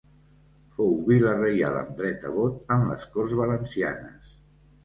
Fou vila reial amb dret a vot en les Corts Valencianes.